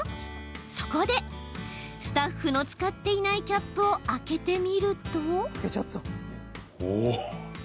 そこで、スタッフの使っていないキャップを開けてみると。